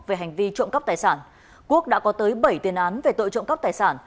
về hành vi trộm cắp tài sản quốc đã có tới bảy tiền án về tội trộm cắp tài sản